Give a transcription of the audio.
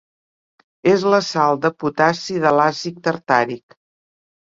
És la sal de potassi de l'àcid tartàric.